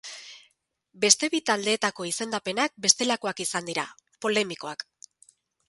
Beste bi taldeetako izendapenak bestelakoak izan dira, polemikoak.